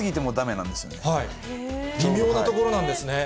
微妙なところなんですね。